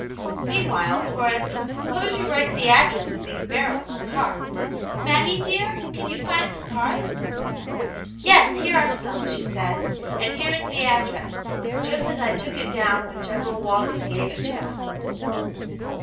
Meanwhile, Horace, suppose you write the address of these br.ri:ls on cards. Maggie, dear, can you find some cards ?"" Yes, here are some," she said, " and here is the address, just as I took it down when General Walton gave it to us."